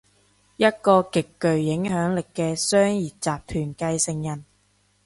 一個極具影響力嘅商業集團繼承人